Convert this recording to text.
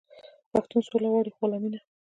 پښتون سوله غواړي خو غلامي نه.